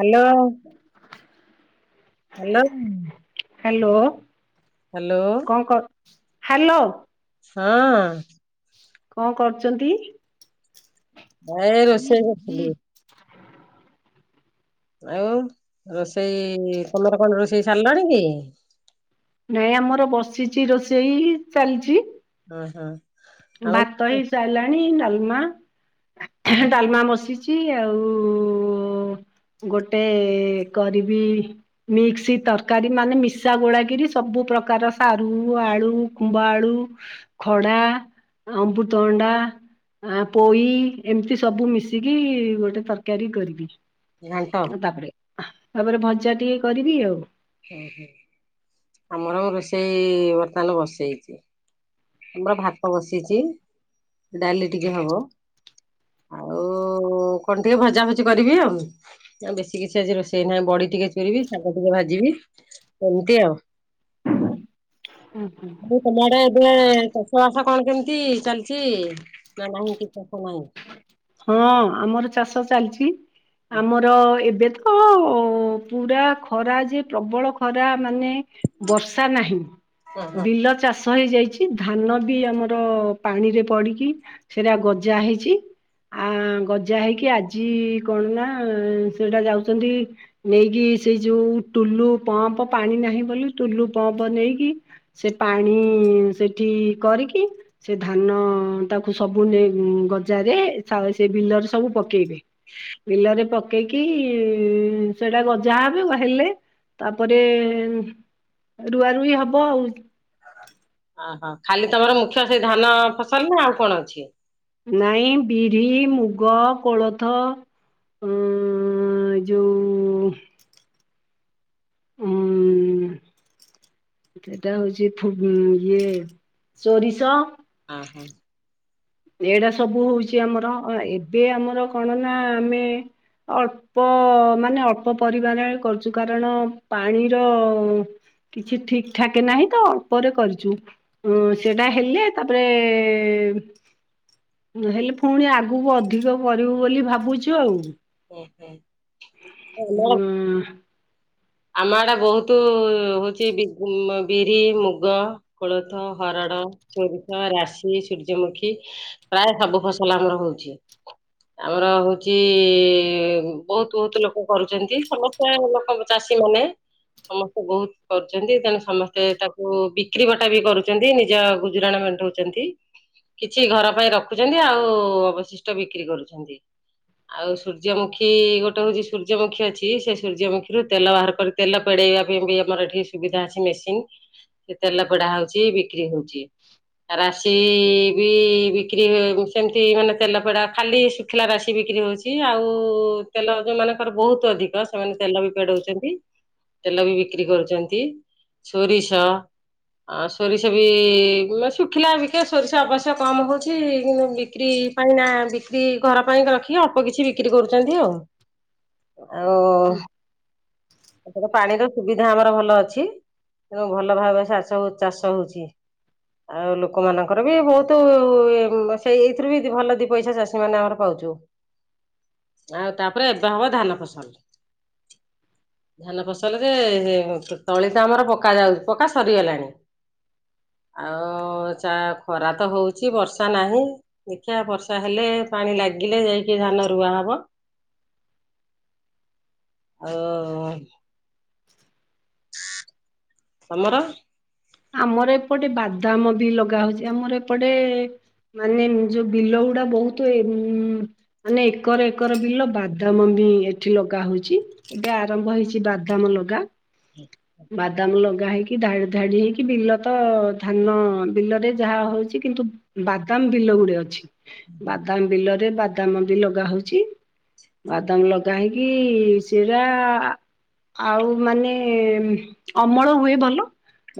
Hello hello hello hello କଣ କ hello. ହଁଅଁ। କଣ କରୁଚନ୍ତି? ଏଇ ରୋଷେଇ କରିଥିଲି। ଆଉ ରୋଷେଇ, ତମର କଣ ରୋଷେଇ ସାରିଲାଣି କି? ନାଇଁ ଆମର ବସିଛି ରୋଷେଇ ଚାଲିଛି। ଓ ହ। ଭାତ ହେଇସାରିଲାଣି, ଡାଲମା, ଡାଲମା ବଶି ଆଉ ଗୋଟେ କରିବି ମିକ୍ସି ତରକାରୀ ମାନେ ମିଶା ଗୋଳାକରି ସବୁ ପ୍ରକାର ସାରୁ, ଆଳୁ, କୁମ୍ଭଆଳୁ ଖଡ଼ା, ଅମ୍ବୁତଭଣ୍ଡା ଆ ପୋଇ, ଏମିତି ସବୁ ମିଶିକି ଗୋଟେ ତରକାରୀ କରିବି। ଘାଣ୍ଟ ଆ ତାପରେ, ତାପରେ ଭଜା ଟିକେ କରିବି ଆଉ। ହୁଁ ହୁଁ। ଆମର ରୋଷେଇ ବର୍ତ୍ତମାନ ବସେଇଛି। ଆମର ଭାତ ବସିଛି, ଡାଲି ଟିକେ ହବ, ଆଉ କଣ ଟିକେ ଭଜା ଭଜି କରିବି ଆଉ। ଆଉ ବେଶୀ କିଛି ଆଜି ରୋଷେଇ ନାହିଁ ବଢି ଟିକେ କରିବି। ଶାଗ ଟିକେ ଭାଜିବି, କେମିତି ଆଉ। [inaudible] ଆଉ ତମ ଆଡେ ଏବେ ଚାଷ ବାସ କଣ କେମିତି ଚାଲିଛି, ନା ନାହିଁ କି ଚାଷ ନାହିଁ? ହଁ ଆମର ଚାଷ ଚାଲିଛି। ଆମର ଏବେ ଉ ପୁରା ଖରା ଯେ ପ୍ରବଳ ଖରା ମାନେ ବର୍ଷା ନାହିଁ। ହଁ ହଁ। ବିଲ ଚାଷ ଷ ହେଇଯାଇଛି। ଧାନ ବି ଆମର ପାଣିରେ ପଡ଼ିକି ସେରା ଗଜା ହେଇଛି। ଆ ଗଜା ହେଇକି ଆଜି କଣ ନା ସେଟା ଯାଉଛନ୍ତି ନେଇକି ସେଇ ଯୋଉ, ଟୁଲୁ ପମ୍ପ ପାଣି ନାହିଁ ବୋଲି ଟୁଲୁ ପମ୍ପ ନେଇକି ସେ ପାଣି ସେଠି କରିକି ସେ ଧାନ ତାକୁ ସବୁ ନେଇ ଗଜାରେ ସବୁ ସେ ବିଲରେ ସବୁ ପକେଇବେ। ବିଲରେ ପାକ ପକେଇକି ସେଇଟା ଗଜା ହେବେ, ହେଲେ ତାପରେ ରୁଆ ରୁଇ ହବ ଆଉ। ଓହୋ। ଖାଲି ତମର ମୁଖ୍ୟ ସେଇ ଧାନ ଫସଲ ନା ଆଉ କଣ ଅଛି? ନାଇଁ ବିରି, ମୁଗ, କୋଳଥ ଉଁ ଯୋଉ ଉଁ ସେଟା ହଉଛି ଇଏ, ସୋରିଷ ଆ ହା। ଏଇଡା ସବୁ ହଉଛି ଆମର। ଏବେ ଆମର କଣ ନା ଆମେ, ଅଳ୍ ଅଳ୍ପ ମାନେ ଅଳ୍ପ ପରି ମାଣରେ କରୁଛୁ। କାରଣ ପାଣିର କିଛି ଠିକ୍ ଠାକ ନାହିଁ ତ ଅଳ୍ପରେ କରିଛୁ। ହ ସେଟା ହେଲେ ତାପରେ ହେଲେ ଫୁଣି ଆଗକୁ ଅଧିକ କରିବୁ ବୋଲି ଭାବୁଛୁ ଆଉ। ଓହୋ। ହୁଁ। ଆମ ଆଡେ ବହୁତୁ ହଉଛି ବିରି, ମୁଗ କୋଳଥ, ହରଣ, ଚୋରିଷ, ରାଶି, ସୂର୍ଯ୍ୟମୁଖୀ ପ୍ରାଏ ସବୁ ଫସଲ ଆମର ହଉଛି। ଆମର ହଉଚି ବୋହୁତ୍ ବୋହୁତ୍ ଲୋକ କରୁଛନ୍ତି। ସମସ୍ତେ ଲୋକ ଚାଷୀ ମାନେ ସମସ୍ତେ ବୋହୁତ୍ କରୁଛନ୍ତି। ତେଣୁ ସମସ୍ତେ ତାକୁ ବିକ୍ରି ବଟା ବି କରୁଛନ୍ତି। ନିଜ ଗୁଜୁରାଣ ମେଣ୍ଢଉ କରୁଚନ୍ତି। କିଛି ଘର ପାଇଁ ରଖୁଛନ୍ତି ଆଉ ଅବଶିଷ୍ଟ ବିକ୍ରି କରୁଛନ୍ତି। ଆଉ ସୂର୍ଯ୍ୟମୁଖୀ ଗୋଟେ ହଉଛି ସୂର୍ଯ୍ୟମୁଖୀ ଅଛି। ସେ ସୂର୍ଯ୍ୟମୁଖୀ ରୁ, ତେଲ ବାହାର କରି ତେଲ ପେଡେଇବା ପାଇଁ ବି ଆମର ଏଠି ସୁବିଧା ଅଛି ମେସିନ୍। ସେ ତେଲ ପେଡା ହୋଉଛି, ବିକ୍ରି ହୋଉଛି। ରାଶି ବି ବିକ୍ରି ହୁଏ ସେମିତି, ମାନେ ତେଲ ପେଡା ଖାଲି ସୁଖିଲା ରାଶି ବିକ୍ରି ହଉଛି। ଆଉ ତେଲ ଯୋଉମାନଙ୍କର ବୋହୁତ୍ ଅଧିକ ସେମାନେ ତେଲ ବି ପେଡଉଛନ୍ତି। ତେଲ ବି ବିକ୍ରି କରୁଛନ୍ତି। ସୋରିଷ ଆଉ ସୋରିଷ ବି ମାନ ଶୁଖିଲା ବିକେ, ସୋରିଷ ଆବଶ୍ୟ କମ୍ ହୋଉଛି। କିନ୍ତୁ ବିକ୍ରି କାହିଁକିନା ବିକ୍ରି ଘର ପାଇଁ ରଖି ଅଳ୍ପ କିଛି ବିକ୍ରି କରୁଛନ୍ତି ଆଉ। ଓ ଉଁ ଏପଟେ ପାଣିର ସୁବିଧା ଆମର ଭଲ ଅଛି। ତେଣୁ ଭଲ ଭାବେ ଚାଷ ଚାଷ ହଉଛି। ହଁ ଆଉ ଲୋକମାନଙ୍କର ବି ବହୁତ, ସେଇ ଏଇଥିରୁ ବି ଭଲ ଦି ପଇସା ଚାଷୀ ମାନେ ଆମର ପାଉଛୁ। ଆଉ ତାପରେ ଏବେ ହବ ଧାନ ଫସଲ। ଧାନ ଫସଲ ରେ ତଳି ଟା ଆମର ପକା ଯାଉଛି, ପକା ସରିଗଲାଣି। ଆଉ ଚା ଖରା ତ ହଉଛି ବର୍ଷା ନାହିଁ। ଦେଖିବା ବର୍ଷା ହେଲେ ପାଣି ଲାଗିଲେ ଯାଇକି ଧାନ ରୁଆ ହବ। ହ ସଲର। ଆମର ଏପଟେ ବାଦାମ ବି ଲଗା ହଉଛି, ଆମର ଏପଟେ ମାନେ ଯୋଉ ବିଲ ଗୁଡା ବହୁତ ମ ମାନେ ଏକର ଏକର ବିଲ ବାଦାମ ବି ଏଠି ଲଗା ହଉଛି। ଏଟା ଆରମ୍ଭ ହେଇଛି ବାଦାମ ଲଗା। ହୁଁ। ବାଦାମ ଲଗା ହେଇକି, ଧାଡି ଧାଡି ହେଇକି କି ବିଲ ତ ଧାନ ବିଲରେ ଯାହା ହଉଛି କିନ୍ତୁ ବାଦାମ ବିଲ ଗୁଡେ ଅଛି। ବାଦାମ ବିଲରେ ବାଦାମ ବି ଲଗା ହଉଛି। ବାଦାମ ଲଗା ହେଇକି ସିରା ଆଉ ମାନେ ଅମଳ ହୁଏ ଭଲ।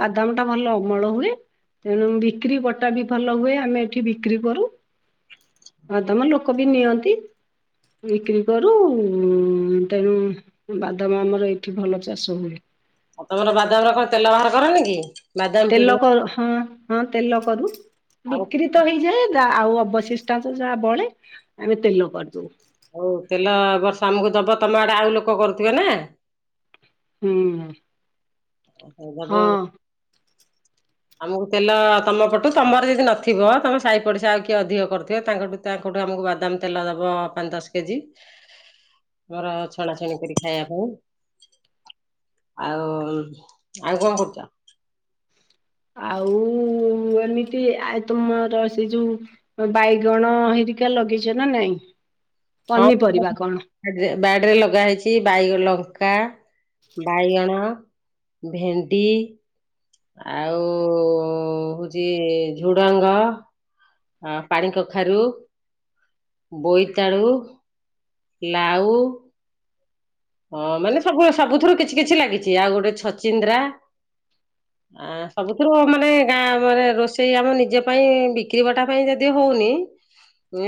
ବାଦାମ ଟା ଭଲ ଅମଳ ହୁଏ। ତେଣୁ ବିକ୍ରି ବଟା ବି ଭଲ ହୁଏ ଆମେ ଏଠି ବିକ୍ରି କରୁ। ବାଦାମ ଲୋକ ବି ନିଅନ୍ତି। ବିକ୍ରି କରୁ ତେଣୁ ବାଦାମ ଆମର ଏଇଠି ଭଲ ଚାଷ ହୁଏ। ଆଉ ତମର ବାଦାମ ର କଣ ତେଲ ବାହାର କରନି କି? ବାଦାମ ପିଡୁ ତେଲ କରୁ ହଁ ହଁ ତେଲ କରୁ, ଆଉ ବିକ୍ରି ହେଇଯାଏ, ଆଉ ଅବଶିଷ୍ଟାନସ ଯାହା ବଳେ ଆମେ ତେଲ କରିଦଉ। ହଉ ତେଲ ଏ ବର୍ଷା ଆମକୁ ଦବ, ତମେ ଆଡେ ଆଉ ଲୋକ କରୁଥିବେ ନା। ହୁଁ। ହଁ [unintelligible] ଆମକୁ ତେଲ ତମ ପଟୁ ତମର ଯଦି ନଥିବ ତମ ସାହି ପଡିଶା ଆଉ କିଏ ଅଧିକ କରୁଥିବ ତାଙ୍କଠୁ ତାଙ୍କଠୁ ଆମକୁ ବାଦାମ ତେଲ ଦେବ ପାଞ୍ଚ ଦଶ କେ ଜି। ମୋର ଛଣା ଛୁଣି କରି ଖାଇବା ପାଇଁ, ଆଉ ଆଉ କଣ କରୁଛ? ଆଉ ଏମିତି ଆ ତମର ସେ ଯୋଉ ବାଇଗଣ ହେରିକା ଲଗେଇଛ ନା ନାଇଁ? ହଁ ବାଡ ପନିପରିବା କଣ? ରେ, ବାଡ଼ି ରେ ଲଗା ହେଇଛି ବାଇଗଣ ଲଙ୍କା, ବାଇଗଣ ଭେଣ୍ଡି। ଆଉ ଓ ହଉଛି ଝୁଡଙ୍ଗ ଆ ପାଣି କଖାରୁ ବୋଇତାଳୁ, ଲାଉ। ହଁ ମାନେ ସବୁ ସବୁଥିରୁ କିଛି କିଛି ଲାଗିଛି ଆଉ ଗୋଟେ ଛଚିନ୍ଦ୍ରା। ଆ ସବୁଥିରୁ ମାନେ ଗାଁ ମାନେ ରୋଷେଇ ଆମ ନିଜ ପାଇଁ ବିକ୍ରିବଟା ପାଇଁ ଯଦି ହଉନି।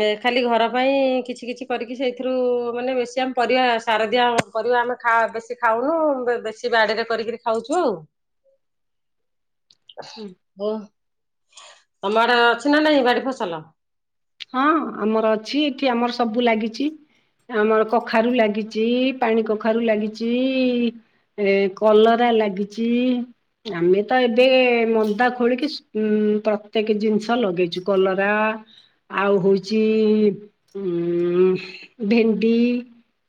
ଏ ଖାଲି ଘର ପାଇଁ କିଛି କିଛି କରିକି ସେଇଥିରୁ ମାନେ ବେଶୀ ଆମ ପରିବା ସାରଦିଆ ଆ ପରିବା ଆମେ ଖା ବେଶୀ ଖାଉନୁ, ବେଶୀ ବାଡିରେ କରିକିରି ଖାଉଛୁ ଆଉ। [unintelligible] ହୁଁ। ଓ ତମ ଆଡେ ଅଛି ନା ନାଇଁ ବାଡି ଫସଲ? ହଁ ଆମର ଅଛି ଏଠି ଆମର ସବୁ ଲାଗିଛି। ଆମର କଖାରୁ ଲାଗିଛି ପାଣି କଖାରୁ ଲାଗିଛି। ଏ କଲରା ଲାଗିଛି। ଆମେ ତ ଏବେ ମନ୍ଦା ଖୋଳିକି ଉ ପ୍ରତ୍ୟେକ ଜିନିଷ ଲଗେଇଛୁ, କଲରା ଆଉ ହଉଛି ଉ ଭେଣ୍ଡି।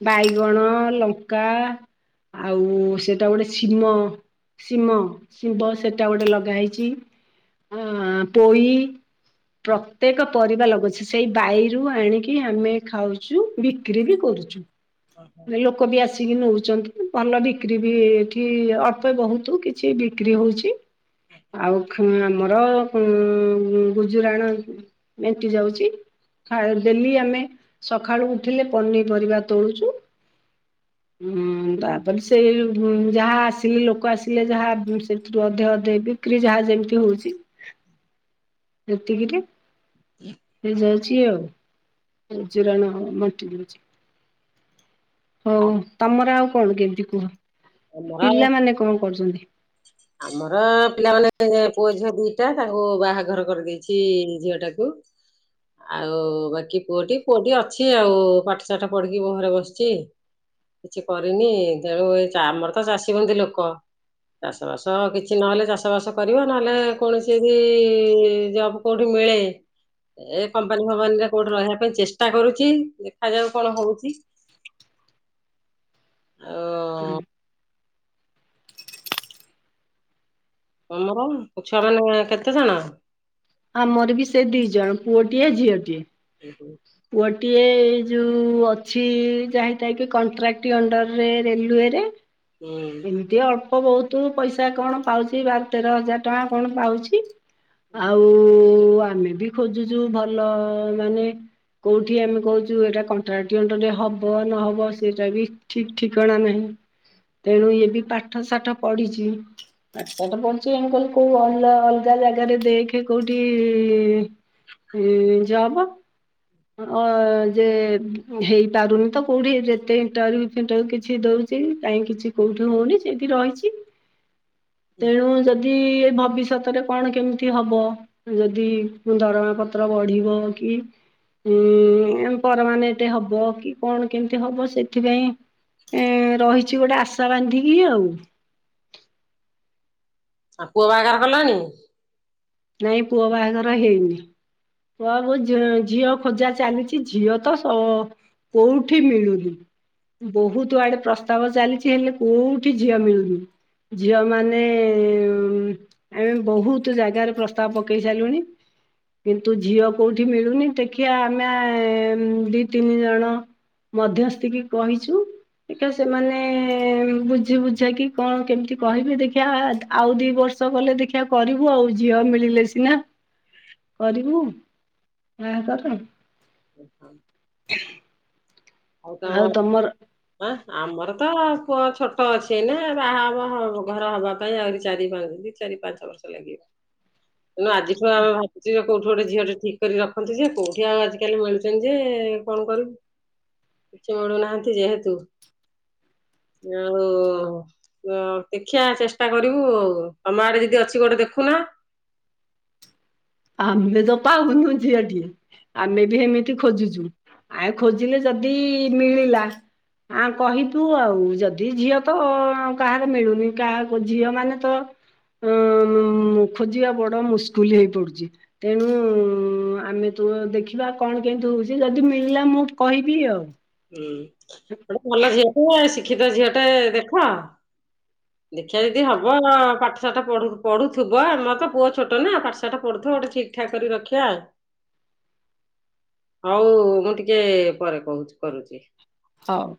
ବାଇଗଣ, ଲଙ୍କା ଆଉ ସେଟା ଗୋଟେ ସିମ ଶିମ ଶିମ୍ୱ ସେଟା ଗୋଟେ ଲଗା ହେଇଛି ଆ ପୋଇ ପ୍ରତ୍ୟେକ ପରିବା ଲାଗିଛି ସେଇ ବାଡ଼ିରୁ ଆଣିକି ଆମେ ଖାଉଛୁ, ବିକ୍ରି ବି କରୁଛୁ। ଲୋକ ବି ଆସ ଆସିକି ନଉଛନ୍ତି, ଭଲ ବିକ୍ରି ବି ଏଠି ଅଳ୍ପେ ବହୁତ କିଛି ବିକ୍ରି ହଉଛି। ଆଉ ଆମର ଉ ଗୁଜୁରାଣ ମେଣ୍ଟି ଯାଉଛି। ଡେଲି ଆମେ ସକାଳୁ ଉଠିଲେ ପନିପରିବା ତୋଳୁଛୁ। [inaudible] ହୁଁ ତାପରେ ସେଇ ଯାହା ଆସିଲେ ଲୋକ ଆସିଲେ ଯାହା ସେଥିରୁ ଅଧେ ଅଧେ ଦେବି। ବିକ୍ରି ଯାହା ଯେମିତି ହଉଛି। [inaudible] ଯେତିକିରେ [inaudible] ସେ ଯ ଅଛି ଆଉ। ଗୁଜୁରାଣ ମେଣ୍ଟି ଯାଉଛି। ହଉ, ତମର ଆଉ କଣ କେମିତି କୁହ? ଆମର ପିଲାମାନେ କଣ କରୁଛନ୍ତି? ଆମର ପିଲାମାନେ ପୁଅ ଝିଅ ଦିଟା, ତାଙ୍କୁ ବାହାଘର କରିଦେଇଛି ଝିଅ ଟାକୁ। ଆଉ ବାକି ପୁଅଟି, ପୁଅଟି ଅଛି ଆଉ ପାଠ ସାାଠ ପଢିକି ଘରେ ବସିଛି। କିଛି କରିନି, ଯାଉ ଏ ଆମର ତ ଚାଷୀ ମନ୍ଦି ଲୋକ। ଚାଷବାସ କିଛି ନହେଲେ, ଚାଷବାସ କରିବ ନହେଲେ, କୌଣସି ବି ଜବ୍ କେଉଁଠି ମିଳେ? ଏ କମ୍ପାନୀ ଫମ୍ପାନୀରେ କୋଉଠି ରହିବା ପାଇଁ ଚେଷ୍ଟା କରୁଛି, ଦେଖାଯାଉ କଣ ହଉଛି? [inaudible] ହୁଁ ଆଉ ଉଁ। ତମର ଛୁଆ ମାନେ କେତେ ଜଣ? ଆମର ବି ସେ ଦି ଜଣ ପୁଅଟିଏ ଝିଅଟିଏ। ହୁ। ପୁଅଟିଏ ଏ ଯେଉଁ ଅଛି ଯା ହେଥା କି କଣ୍ଟ୍ରାକ୍ଟ ଅଣ୍ଡରରେ ରେଲୱେରେ। ହୁଁ। ଏମିତି ଅଳ୍ପ ବହୁତ ପଇସା କଣ ପାଉଛି ବାର ତେର ହଜାର ଟଙ୍କା କଣ ପାଉଛି। ଆଉ ଆମେ ବି ଖୋଜୁଛୁ ଭଲ ମାନେ କୋଉଠି ଆମେ କହୁଛୁ ଏଇଟା କନ୍ତ୍ରେକ୍ଟ୍ରି ଅନ୍ଦର ରେ ହବ ନହବ ସେଇଟା ବି ଠିକ୍ ଠିକଣା ନାହିଁ। ତେଣୁ ଏ ବି ପାଠ ସାଠ ପଢିଛି। ପାଠ ସାଠ ପଢ଼ିଚି, ଆମେ କହିଲୁ କୋଉ ଅ ଅଲଗା ଜାଗାରେ ଦେଖେ କୋଉଠି ଇଁ ଜବ। ଅ ଯେ ହେଇପାରୁନି ତ କୋଉଠି ଯେତେ ଇଣ୍ଟରଭ୍ୟୁ ଫିଣ୍ଟରୁ କିଛି ଦଉଛ ଛି କାହିଁ କିିଛି କୋଉଠି ହଉନି, ସେଠି ରହିଛି, ତେଣୁ ଯଦି ଏ ଭବିଷ୍ୟତରେ କଣ କେମିତି ହବ, ଯଦି ଦରମା ପତ୍ର ବଢିବ କି ଉୁଁ ପରମାେନେଟ ହବ କି କଣ, କେମିତି ହବ ସେଥିପାଇଁ ଏ ରହିଛି ଗୋଟେ ଆଶା ବାନ୍ଧିକି ଆଉ। ଆଉ ପୁଅ ବାହାଘର କଲଣି? ନାଇଁ ପୁଅ ବାହାଘର ହେଇନି। ପୁଅକୁ ଝିଅ ଖୋଜା ଚାଲିଛି। ଝିଅ ତ ସ କୋଉଠି ମିଳୁନି। ବହୁତ ଆଡେ ପ୍ରସ୍ତାବ ଚାଲିଛି ହେଲେ କୋଉଠି ଝିଅ ମିଳୁନି। ଝିଅମାନେ ଆମେ ବହୁତ ଜାଗାରେ ପ୍ରସ୍ତାବ ପକେଇ ସାରିଲୁଣି। କିନ୍ତୁ ଝିଅ କୋଉଠି ମିଳୁନି ଦେଖିବା ଆମେ ଦି ତିନି ଜଣ ମଧ୍ୟସ୍ଥିକି କହିଛୁ। ଟିକେ ସେମାନେ ବୁଝି ବୁଝା କିି କଣ କେମିତି କହିବେ ଦେଖିବା ଆଉ ଦି ବର୍ଷ ଚ ଗଲେ ଦେଖିବା କରିବୁ ଆଉ। ଝିଅ ମିଳିଲେ ସିନା କରିବୁ ବାହାଘର। ଆଉ ତମ ହଁ ଆମର ତ ପୁଅ ଛୋଟ ଅଛି ଏନେ ବାହାହବ ଘର ହବା ପାଇଁ ଆହୁରି ଚାରି ପାଞ୍ଚ ଚାରି ପାଞ୍ଚ ବର୍ଷ ଲାଗିବ। ତେଣୁ ଆଜିଠୁ ଆମେ ଭାବ ଯେ କୋଉଠି ଗୋଟେ ଝିଅ ଟେ ଠିକ କରିିକି ରଖନ୍ତି ଯେ କୋଉଠି ଆଉ ଆଜିିକାଲି ମିଳୁଛନ୍ତି ଯେ କଣ କରିବୁ। କିଛି ମିଳୁନାହାନ୍ତି ଯେହେତୁ ଆଉ ଓ ଦେଖିଆ ଚେଷ୍ଟା କରିବୁ ଆଉ ତମ ଆଡେ ଯଦି ଅଛି ଗୋଟେ ଦେଖୁନା। ଆମେ ତ ପାଉନୁ ଝିଅଟିଏ। ଆମେ ବି ଏମିତି ଖୋଜୁଛୁ ଆଉ ଖୋଜିଲେ ଯଦି ମିଳିଲା ଆଁ କହିିବୁ ଆଉ ଯଦି ଝିଅ ତ କାହାର ମିଳୁନି କାହାକୁ ଝିଅ ମାନେ ତ ଉ ଖୋଜିବା ବଡ ମୁସ୍କୁଲି ହେଇ ପଡୁଛି। ତେଣୁ ଆମେ ତୁ ଦେଖିବା କଣ କେମିତି ହେଉଛି ଯଦି ମିଳିଲା ମୁଁ କହିବି ଆଉ। ହୁଁ ଗୋଟେ ଭଲ ଝିଅଟେ ଶିକ୍ଷିତ ଝିଅଟେ ଦେଖ। ଦେଖିଆ ଯଦି ହବ ପାଠଶାଠ ପଢ଼ୁ ପଢୁଥିବ ଆମର ତ ପୁଅ ଛୋଟ ନା ପାଠଶାଠ ପଢ଼ୁଥିବ ଗୋଟେ ଠିକ ଠାକ୍ କରି ରଖିବା ଆଉ। ହୋଉ ମୁଁ ଟିକେ ପରେ କହୁଛି। କରୁଛି। ହୋଉ।